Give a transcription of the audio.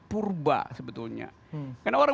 purba sebetulnya karena orang